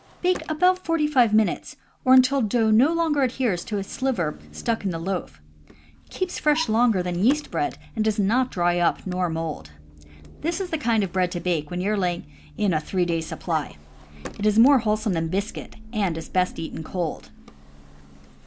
Bake about forty five minutes, or until no dough adheres to a sliver stuck into the loaf. Keeps fresh longer than yeast bread, and does not dry up nor mold. This is the kind of bread to bake when you are laying in a three days' supply. It is more wholesome than biscuit, and is best eaten cold.